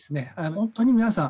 本当に皆さん